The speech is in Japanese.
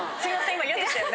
今嫌でしたよね。